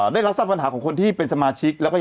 ได้รับทราบปัญหาของคนที่เป็นสมาชิก